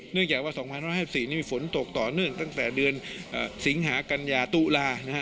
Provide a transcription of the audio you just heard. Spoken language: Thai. เนื่องจากว่า๒๕๕๔มีฝนตกต่อเนื่องตั้งแต่เดือนสิงหากันยาตุลา